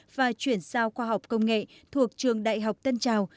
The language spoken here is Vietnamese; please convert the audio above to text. và chuyển giao khoa học công nghệ thuộc trường đại học tân trào